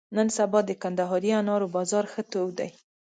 نن سبا د کندهاري انارو بازار ښه تود دی.